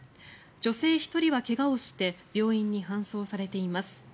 女性１人は怪我をして病院に搬送されています。